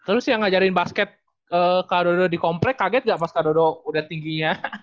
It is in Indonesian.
terus yang ngajarin basket kak dodo di komplek kaget gak pas kak dodo udah tingginya